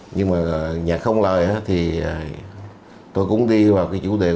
nhưng mà nhạc không lời thì tôi cũng đi vào chủ đề quê hương